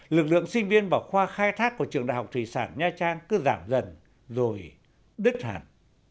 lực lượng sinh viên vào khoa khai thác của trường đại học thủy sản nha trang cứ giảm dần rồi đứt hẳn